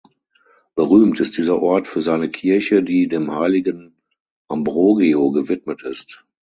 Berühmt ist dieser Ort für seine Kirche, die dem Heiligen Ambrogio gewidmet ist.